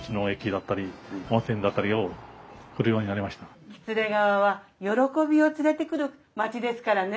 いや喜連川は喜びを連れてくる町ですからね。